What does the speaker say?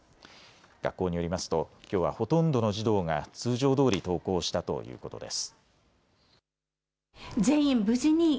学校によりますときょうはほとんどの児童が通常どおり登校したということです。